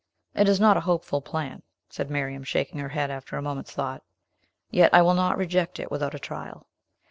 "It is not a hopeful plan," said Miriam, shaking her head, after a moment's thought; "yet I will not reject it without a trial.